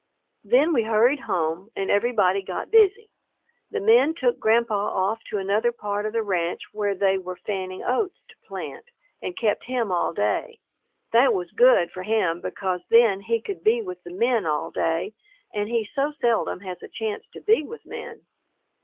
Then we hurried home and everybody got busy. The men took Grandpa off to another part of the ranch where they were fanning oats to plant, and kept him all day. That was good for him because then he could be with the men all day and he so seldom has a chance to be with men.